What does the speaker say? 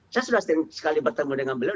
saya sudah sekali bertemu dengan beliau